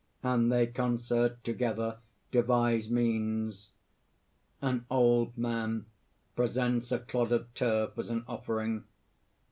(And they concert together, devise means. _An old man presents a clod of turf as an offering.